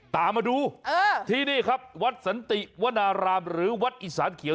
ตามมาดูที่นี่ครับวัดสันติวนารามหรือวัดอีสานเขียว